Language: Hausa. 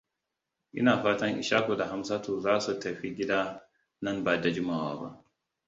Ina fatan Ishaku da Hamsatu za su tafi gida nan ba da jimawa ba.